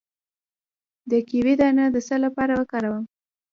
د کیوي دانه د څه لپاره وکاروم؟